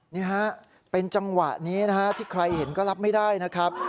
นี่ฮะเป็นจังหวะนี้นะฮะที่ใครเห็นก็รับไม่ได้นะครับ